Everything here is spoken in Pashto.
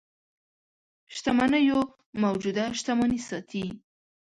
شتمنيو موجوده شتمني ساتي.